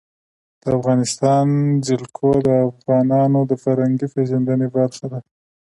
د افغانستان جلکو د افغانانو د فرهنګي پیژندنې برخه ده.